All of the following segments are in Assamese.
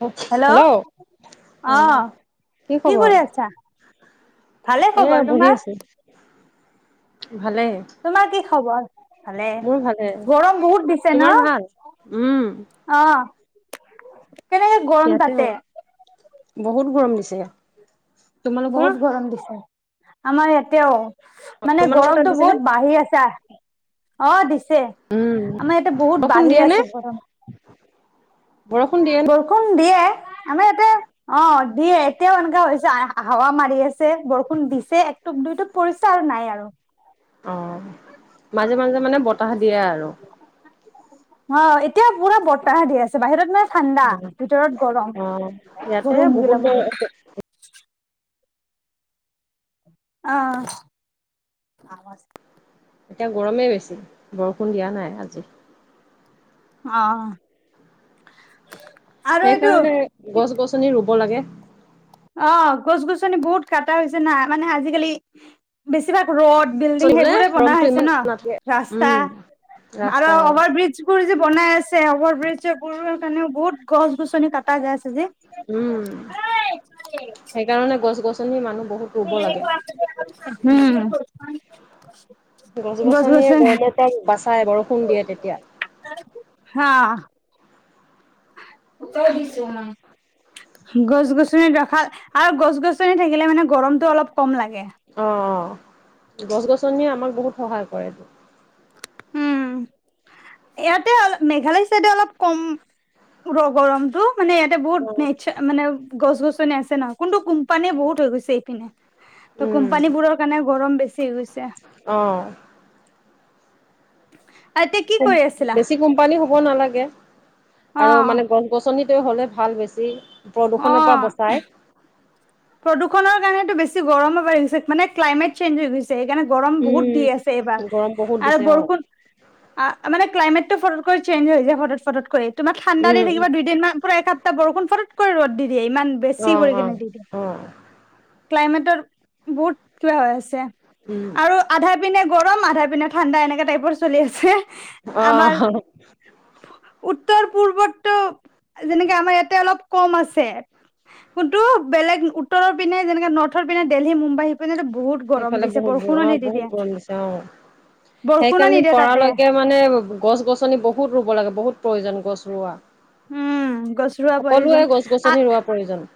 হেল্ল' অ', কি কৰি খবৰ? আছা ভালে এইয়া খবৰ বহি তোমাৰ আছো, ভালেই। তোমাৰ কি খবৰ ভালে ভালে গৰম বহুত দিছে তোমাৰ ভাল? উম। ন'? অহ কেনেকে গৰম ইয়াতেও তাতে বহুত গৰম দিছে। তোমালোকৰ বহুত গৰম দিছে আমাৰ ইয়াতেও। মানে তোমালোকৰ তাত গৰমতটো দিছে নে? বহুত বাঢ়ি আছে অ', দিছে। আমাৰ এতিয়াতে বহুত বৰষুণ বাঢ়ি দিয়ে নে? আছে গৰম। বৰষুণ দিয়ে ন ষোন দিয়ে আমাৰ এয়াতে অ', দিয়ে এতিয়াও এনেকুৱা হৈছে হাৱা মাৰি আছে বৰষুণ দিছে তুপ দুই তুপ পৰিছে আৰু নাই আৰু। অ', মাজে মাজে মানে বতাহ দিয়ে আৰু। অ', এতিয়া পুৰা বতাহ দি আছে। বাহিৰত মানে ঠাণ্ডা ভিতৰত গৰম অ' ইয়াতে গৰু বহুত মুগিলাব গৰম অ'। [unintelligible] এতিয়া গৰমেই বেছি বৰষুণ দিয়া নাই আজি। অ', আৰু এইটো সেইকাৰণে গছ ৰুব লাগে। অ', গছ গছনি বহুত কাটা হৈছে না মানে আজিকালি বেছিভাগ ৰ'দ বিল্ডিং ৰুলে সেইবোৰে বনোৱা গৰমটো হৈছে ইমান নাথাকে। ন' ৰাস্তা উম আৰু ৰাস্তা অ' অভাৰ ব্ৰিজ বোৰ যে বনাই আছে অভাৰ ব্ৰিজ বোৰ কাৰণেও বহুত গছ গছনি কাট কাটা যাই আচে যে, উম। সেইকাৰণে গছ গছনি মানুহ বহুত ৰুব লাগে। হ। গছ-গছনিয়ে গৰমৰ পা বাচাই বৰষুণ দিয়ে তেতিয়া। হা। উত্তৰ দিছোঁ অ'। গছ-গছনিত ৰাখা, আৰু গছ-গছনি থাকিলে মানে গৰমটো অলপ কম লাগে। অ', অ' গছ-গছনিয়ে আমাক বহুত সহায় কৰেটো। এয়াতে অল, মেঘালয় চাইডে অলপ কম ৰ গৰমটো। মানে এয়াতে বহুত অ নেছা, মানে গছ-গছনি আছে ন। কোনটো কোম্পানী বহুত হৈ গৈছে এপিনে। ত' উম কোম্পানীবোৰৰ কাৰণে গৰম বেছি হৈ গৈছে। অ'। আ টিক কুম, বছি কুম পানী হ'ব নালাগে অ আৰু মানে গছ-গছনিত হ'লে ভাল বেছি। প্ৰদূষণ পৱা অ বচাই। প্ৰদূষণৰ কাৰণেতো বেছি গৰমো বাঢ়িছে, মানে ক্লাইমেট চেঞ্জ হৈ গৈছ ছে হেইকাৰণে গৰম বহুত দি আছে উম এইবাৰ, গৰম বহুত আৰু দিছে অ বৰষুণ আ মানে ক্লাইমেটটো ফটতকৈ চেঞ হৈ যায় ফটত ফটত কৰি। তোমাক ঠাণ্ডা দি উম উম থাকিব দুইদিনমান, পুৰা এসাপ্তাহ বৰষুণ ফৰতকৈ ৰ'দ দি দিয়ে, ইমান অ বেছি কই অ কেনে দি দিয়ে। অ ক্লাইমেটৰ বহুত কিবা হৈ আছে উম আৰু আধাৰ পিনে গৰম, আধাৰ পিনে ঠাণ্ডা এনেকে টাইপৰ চলি আছে। অ আমাৰ উত্তৰ পূৰ্বতটো, যেনেকে আমাৰ ইয়াতে অলপ কম আছে। উটো বেলেগ উত্তৰৰ পিনে, যেনেকে নৰ্থৰ পিনে, দেলহি, মুম্বাই এনেতে বহুত গৰম সেইফালে দিছে। বহুত বৰষুণো অ নিদি বহুত দিয়ে, গৰম দিছে অ বৰষুণো সেইকাৰণে নিদিয়ে তাতে। পৰালৈকে মানে গছ-গছনি বহুত ৰুব লাগে, বহুত প্ৰয়োজন গছ ৰোৱা। উম গছ ৰোৱা প্ৰয়োজন সকলোৱে গছ-গছনি ৰোৱা প্ৰয়োজন।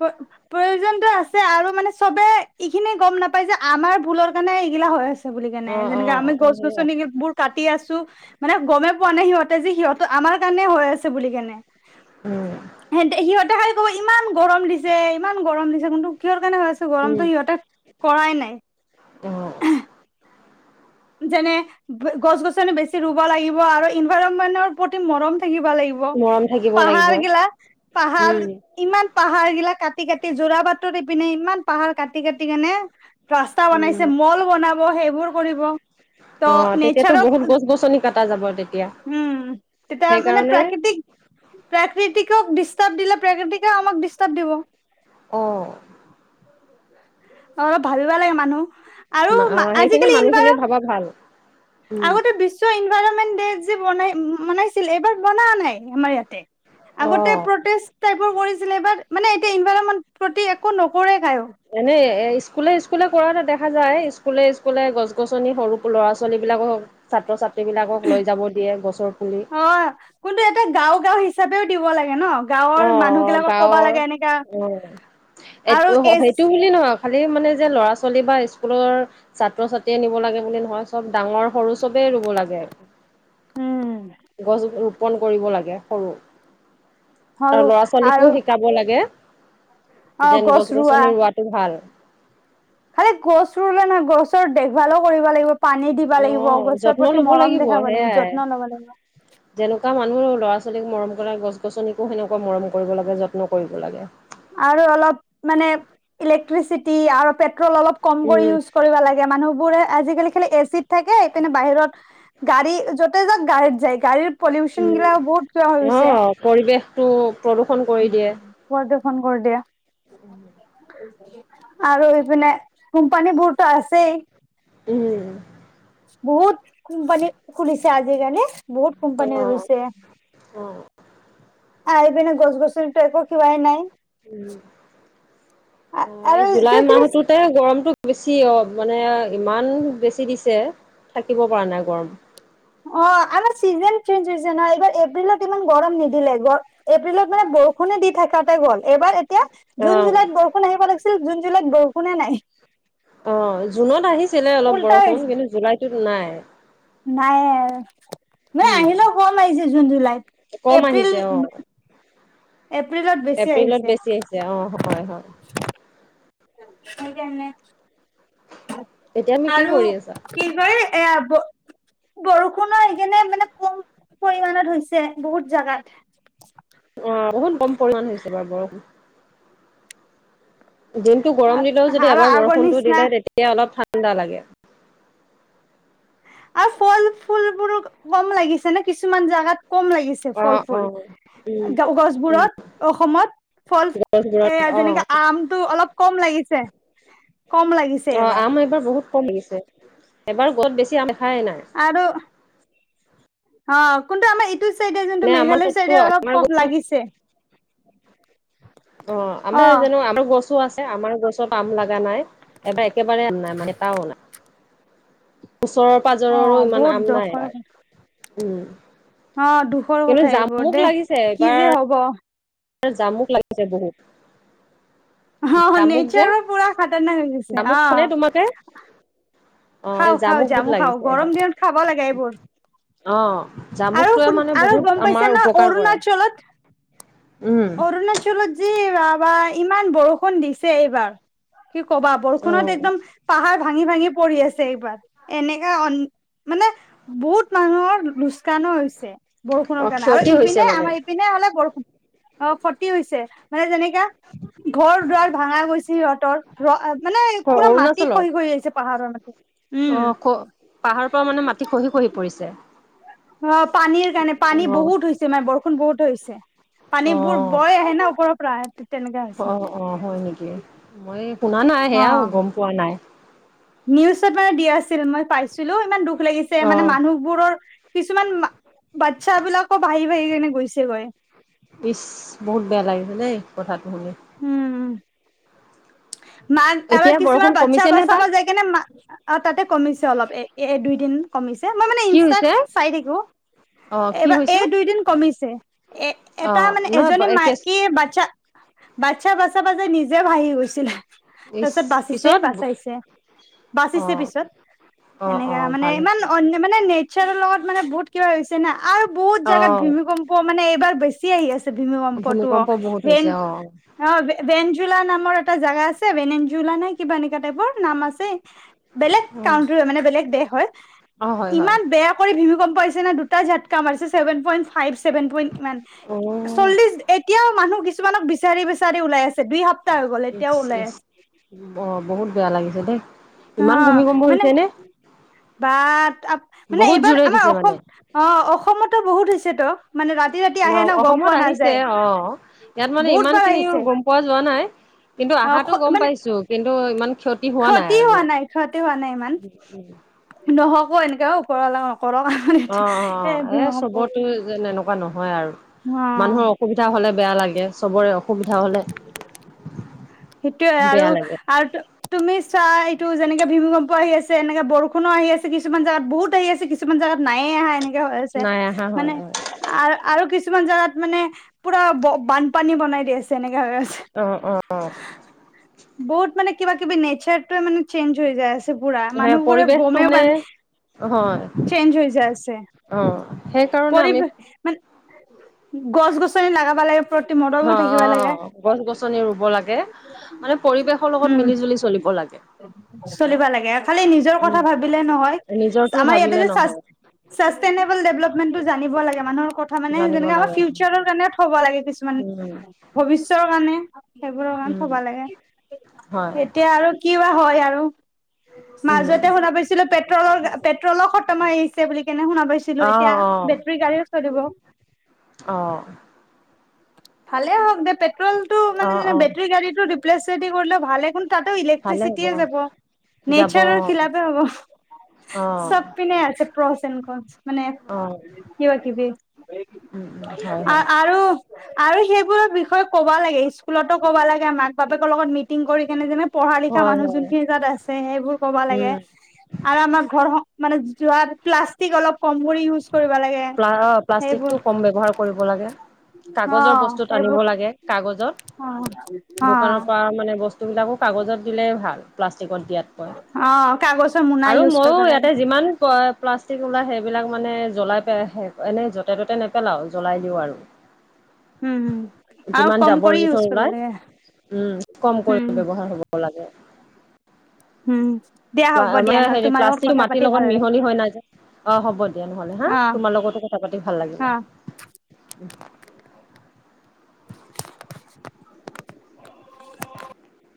প প্ৰয়োজনতো আছে আৰু মানে চবেই ইখিনি গম নাপাই যে আমাৰ ভুলৰ কাৰণে ইগিলা হৈ আছ বুলি কেনে। অ অ যেনেকে আমি সেয়া গছ-গছনি কিববোৰ কাটি আছোঁ। মানে গমেই পোৱা নাই সিহঁতে যে সিহঁত, আমাৰ কাৰণে হৈ আছ বুলি কেনে। উম। হেনতে, সিহঁতে খালি ক'ব ইমান গৰম দিছে, ইমান গৰম দিছে কিন্তু কিহৰ কাৰণে হৈ আছে উম। গৰমটো সিহঁতে কৰাই অ নাই। যেনে ব-গছ-গছনি বেছি ৰুব লাগিব আৰু ইনভাইৰমেনৰ প্ৰতি মৰম থাকিব লাগিব। মৰম থাকিব লাগিব পাহাৰ গিলা, পাহাৰ উম ইমান পাহাৰ গিলা কাটি কাটি, যোৰা বাটৰ ইপিনে ইমান পাহাৰ কাটি কাটি কেনে। ৰাস্তা উম। বনাইছে, ম'ল বনাব হেইবোৰ কৰিব। [inaudible] ত অ' তেতিয়াতো নেচাৰক বহুত গছ-গছনি কাটা যাব তেতিয়া। উম তেতিয়া মানে হেকাৱণে প্ৰাকৃতিক প্ৰাকৃতিকক ডিষ্টাব দিলে প্ৰাকৃতিকেও আমাক ডিষ্টাব দিব। অ'। অলপ ভাবিবা লাগে মানুহ। আৰু মা, অ' হেইখিনি আজিকালি ইনভাৰ মানুহখিনিয়ে ভাবা ভাল। উম আগতে বিশ্ব ইনভাইৰমেন ডেইট যে বনাই, মনাইছিল এইবাৰ বনা নাই আমাৰ ইয়াতে। অ। আগতে প্ৰটেচ টাইপৰ কৰিছিলে এবাৰ, মানে এতিয়া ইনভাইৰমেন প্ৰতি একো নকৰে। [unintelligible] এনে এ স্কুলে স্কুলে কৰা এটা দেখা যায়, স্কুলে স্কুলে গছ-গছনি সৰু ল'ৰা-ছোৱালী বিলাক হক। ছাত্ৰ-ছাত্ৰীবিলাকক লৈ যাব দিয়ে গছৰ পুলি। কোন্তু এটা গাঁও গাঁও হিচাপেও দিব লাগে ন। অ', গাঁৱৰ মানুহ অ' বিলাকক ক'বা গাঁৱৰ লাগে এনেকা অ', আৰু এটো, এজ হেইটো বুলি নহক। খালি মানে যে ল'ৰা-ছোৱালী বা স্কুলৰ ছাত্ৰ-ছাত্ৰীয়ে নিব লাগে বুলি নহয়। চব, ডাঙৰ সৰু চবেই ৰুব লাগে, উম গছ প'ন, কৰিব লাগে সৰু। আৰু সৰু ল'ৰা ছোৱালীকো আৰু শিকাব লাগে অ যেন গছ ৰোৱা গছনি ৰোৱাতটো ভাল। খালি গছ ৰুলে নহয় গছৰ দেখ ভালো কৰিব লাগিব। পানী দিব অ লাগিব, গছৰ যত্ন প্ৰতি লব মৰম দেখাব লাগিব, সেয়াই যত্ন ল'ব লাগিব। যেনেকুৱা মানুহ ল'ৰা ছোৱালীক মৰম কৰে গছ গছনিকো সেনেকুৱা মৰম কৰিব লাগে যত্ন কৰিব লাগে। আৰু অলপ মানে ইলেক্ট্ৰিচিটি আৰু পেট্ৰল অলপ কম কৰি উম ইউজ কৰিব লাগে। মানুহবোৰে আজিকালি খালি এচিত থাকে সেইকাৰণে বাহিৰত গাড়ী য'তে যাক গাড়ীত যায়, গাড়ীত। পলিউচন গিলাও উম বহুত কা হৈ অ গৈছে। পৰিৱেশটো প্ৰদূষন প্ৰদূষন কৰি দিয়া। উম, আৰু এইপিনে কোম্পানী বোৰতো আছেই। উম, বহুত কোম্পানী খুলিছে আজিকালি বহুত কোম্পানী হৈ গৈছে। অ অ আহি পিনে গছ গছনি তো এক কিবাাই নাই। উম, অ, এই আৰু জুলাই কিবা কিবি মাহতোত। তাতে গৰমতটো বেছি অ, মানে ইমান বেছি দিছে থাকিব পৰা নাই গৰম অ, আমাৰ চিজন চেঞ্জ হৈছে নহয়, এইবাৰ এপ্ৰিলত ইমান গৰম নিদিলে গ এপ্ৰিলত মানে বৰষুণে দি থকাতে গ'ল এবাৰ। এতিয়া জুন অ' জুলাইত বৰষুণ আহিব লাগিছিল জুন জুলাইত বৰষুণে নাই। অ, জুনত আহিছিলে অলপ উল্টা বৰষুণ কিন্তু জুলাইটোত নাই। নাই ন,, উম, আহিলেও গৰম আহাৰিছে জুন জুলাইত কম এপ্ৰিল। আহিছে অ' এপ্ৰিলত বেছি এপ্ৰিলত আহিছে। বেছি আহিছে অ' হয় হয়। [unintelligible] তেতিয়া তুমি কি আৰু কৰি আছা? [unintelligible] বৰষুণৰ সেইকাৰণনে মানে কম পৰিমমানত হৈছে বহুত জাগাত। অ, বহুত কম পৰিমাণ হৈছে বাৰু বৰষুণ। দিনটো গৰম দিলেও যদি আৰু এবাৰ আগৰ বৰষুণতো নিচিনা দিলে তেতিয়া অলপ ঠাণ্ডা লাগে। আৰু ফল ফুল বোৰ কম লাগিছে ন কিছুমান জাগাত কম লাগিছে। ফল অ' ফুল অ' উম উম গছবোৰত অসমত ফল এ গছবোৰত অ' যেনেকে। আমটো অলপ কম লাগিছে। কম লাগিছে অ, আম এইবাৰ বহুত কম লাগিছে, এবাৰ গছত বেছি আম দেখাই নাই। আৰু অ, কোনটো আমাৰ এইটো চাইডে যোনটো মানে আমাৰ মেঘালয় তাততো চাইডে অলপ আমাৰ কম লাগিছে। অ, আমাৰ অ জানো আমাৰ গছো আছে আমৰ গছ। ও, আম লগা নাই এবাৰ একেবাৰে নাই মানে এটাও নাই, ওচৰ। অ পাজৰৰো ইমান বহুত আম নাই দুখৰ এইবাৰ। উম, অ, দুখৰ কিন্তু কথা এইবোৰ জামুক দেই লাগিছে কি যে এইবাৰ হ'ব। জামুক লাগিছে বহুত। অ জামুক যে, নেচাৰো পুৰা খাতাৰনাক হৈ গৈছে জামুক খৱা নে তোমালোকে। খাওঁ খাওঁ, জামুক খাও গৰম দিনত খাব লাগে এইবোৰ। অ আৰু জামুকটোৱে শু, মানে আৰু বহুত গম পাইছে আমাৰ ন উপকাৰ কৰে অৰুণাচলত। উম অৰুণাচলত যে বাবা ইমান বৰষুণ দিছে এইবাৰ। কি ক'বা, অ বৰষুনত একদম পাহাৰ ভাঙি ভাঙি পৰি আছে। এইবাৰ এনেকা মানে বহুত মানুহৰ লোচ কাণো হৈছে বৰষুণৰ অ কাৰণে আৰু ক্ষতি হৈছে ইপিনে মানে আমাৰ পিনে হ'লে বৰষুণ অ, খতি হৈছে মানে যেনেকে। ঘৰ দুৱাৰ ভাঙা গৈছে সিহঁতৰ ৰ মানে পুৰা মাটি অৰুণাচলত খহি খহি আহিছে। পাহাৰৰ মাটি। উম অ', খ পাহাৰ পৰা মানে মাটি খহি খহি পৰিছে? অ', পানীৰ কাৰণে পানী বহুত অ হৈছে মানে বৰষুণ বহুত হৈছে। পানীবোৰ অ বৈ আহে না ওপৰৰ পৰা তেনেকা হৈছে। অ', অ', হয় নেকি? মই শুনা নাই অ সেয়া গম পোৱা নাই। নিউজত মানে দি আছিল মই পাইছিলো ইমান দুখ লাগিছে মানে অ', মানুহ বোৰৰ কিছুমান বাটচ্ছা বিলাকো ভাহি ভাহি গৈছেগৈ। ইছ বহুত বেয়া লাগিছে দেই কথাটো শুনি। উম, মা আৰু এতিয়া কিছুমান বৰষুণ বাটচ্ছা কমিছে নে তাত? বাচা যাই কাণে মা অ', তাতে কমিছে অলপ এ-এ দুই দিন। কমিছে মই মানে কি ইনষ্টাত হৈছে? চাই থাকো অ', কি এইবাৰ হৈছে? এই দুই দিন কমিছে। এ-এটা অ', মানে এজনী নহয় কেচ মাইকী বাতচ্ছা বাটচ্ছা বাছাবা যাই নিজে ভাহি গৈছিলে। ইচ তাৰপিছত বাছিছে পিছত বাচাইছে বাচিছে অ', পিছত। অ', সেনেকা অ', মানে ভাল ইমান হৈছে। অন্য মানে নেচাৰৰ লগত মানে বহুত কিবা হৈছে না আৰু বহুত জেগাত অ', ভীমিকম্প মানে এইবাৰ বেছি চি আহি আছে ভীমকম্পটো অ', ভূমিকম্প বহুত ভেন হৈছে অ', অ', ভেনজোলা নামৰ এটা জেগা আছে বেনেনজোলা নে কিবা এনেকুৱা টাইপৰ নাম আছে বেলেগ অ', কাউণ্টিৰ মানে বেলেগ দেশ হয় অ', হয়, হয়। ইমান বেয়া ভুমিকম্প আহিছে ন'দুটা জাতকা মাৰিছে seven point five seven point ইমান অ', চল্লিচ এতিয়াও মানুহ কিছুমানক বিচাৰি বিচাৰি ওলাই আছে দুই সপ্তাহ হৈ গ'ল ইচ এতিয়াও ওলাই ইচ আছে। অ', বহুত বেয়া লাগিছে দেই অ ইমান ভূমিকম্প হৈছে নে? মানে বা আ মানে বহুত এইবাৰ জোৰে আমাৰ দিছে অসম মানে। অ', অসমতো বহুত হৈছেতো। মানে ৰাতি ৰাতি আহে ন অ', গম অসমত পোৱা আহিছে নাযায় অ', ইয়াত মানে বহুত ইমান বাৰ খিনি আহিছে গম পোৱা যোৱা নাই। কিন্তু অ অহাটো গম মানে পাইছো কিন্তু ইমান ক্ষতি হোৱা নাই আৰু হোৱা নাই উম। নহব এনেকাও ওপৰৱালা নকৰক অ', অ', অ', এ চবতো যে এনেকুৱা নহয় আৰু। অ মানুহৰ অসুবিধা হলে বেয়া লাগে চবৰে অসুবিধা হলে সেইটোয়ে আৰু বেয়া লাগে আৰু তুমি চা এইটো যেনেকে ভীমিকম্প আহি তুমি টাইট টোযেনেকে ভূমিকম্প আহি আছে তেনেকে বৰষুণো আহি আছে কিছুমান জাগাত বহুত আহি আছে কিচুমা কিছুমান জেগাত নায়ে অহা এনেকে হৈ আছে নাই আহা হয় মানে হয় আ-আৰু কিছুমান জাগাত মানে পুৰা বানপানী বনাই দি আ তেনেকাে হৈ আছে। অ অ বহুত মানে কিবা কিবি নেচাৰটোৱে মানে চেঞ্জ হৈ যায় আছে পুৰা সেই মানুহবোৰে পৰিৱেশটো গমেও পা মানে হয় চেঞ্জ হৈ যায় আছে অ সেইকাৰণে পৰি আমি মানে গছ গছনি লাগাবা লাগে। প্ৰতি হ, মৰমো থাকিব অ', লাগে অ', গছ গছনি ৰুব লাগে মানে পৰিৱেশৰ লগত মিলি জুলি চলিব লাগে। চলিবা লাগে খালি নিজৰ উম কথা ভাবিলে নহয় নিজৰটো আমাৰ ভাবিলে ইয়াতে চা নহয় চাষ্টেনেবল ডেভলপমেন্টটো জানিব লাগে মানুহৰ ক ক মানে জানিব যেনেকে আমাৰ লাগে ফিউচাৰৰ কাৰণে থব লাগে কিছুমান উম, ভৱিষ্যৰ কাৰণে সেইবোৰ কাৰনে উম, থবা লাগে হয়, এতিয়া আৰু কিবা হয় আৰু। উম, মাজতে শুনা পাইছিলো পেট্ৰলৰ পেট্ৰলো খতম হৈ আহিছে বুলি কেনে শুনা পাইছি অ', ছিলো এতিয়া অ', বেটৰী গাড়ীও চলিব। অ'। ভালে হওক দে পেট্ৰলটো মানে অ', যেনে অ', বেটৰী গাড়ীটো ৰিপ্লেচ যদি কৰিলে ভালেখন তাতোও ভালে হ'ব, ইলেক্ট্ৰিচিয়ে যাব যাব নেচাৰৰ অ', খিলাপে হ'ব অ', চব পিনে আছে [unintelligible] মানে অ', কিবা কিবি উম, উম, হয়, হয়, আ-আৰু আৰু সেইবোৰৰ বিষয়ে ক'বা লাগে স্কুলতো ক'বা লাগে মাক বাপেকৰ লগত মিটিং কৰি কেনে যেনে পঢ়া লিখা হয়, মানুহ হয়, যোনখিনি য'ত আছে সেইবোৰ ক'বা লাগে। উম, আৰু আমাৰ ঘৰ মানে যোৱাত প্লাষ্টিক অলপ কম কৰি ইউজ কৰিব লাগে। প্লা অ' সেইবোৰ প্লাষ্টিকটো কম ব্যৱহাৰ কৰিব লাগে। অ কাগজৰ বস্তুত আনিব সেইবোৰ লাগে কাগজত। অ অ দোকানৰ পৰা মানে বস্তু সেইবিলাকো কাগজত দিলে ভাল প্লাষ্টিকত দিয়াত অ কাগজৰ মোনা আৰু ইউজ মইও কৰিব লাগে ইয়াতে যিমান পই প্লাষ্টিক ওলাই সেইবিলাক মানে জ্বলাই এনেই য'তে ত'তে নেপেলাও জ্বলাই দিও আৰু। হুম, হুম। যিমান জাবৰ জোথৰ ওলাই, উম, কম কৰি ব্যৱহাৰ হ'ব লাগে। হুম। ম হেৰি প্লাষ্টিক মাটিৰ লগত লাগিল মিহলি হয় নাযায়, অ' হ'ব দিয়া নহ'লে হা, অ তোমাৰ লগতো কথা পাতি ভাল অ লাগিলে।